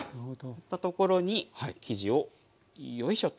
塗った所に生地をよいしょと。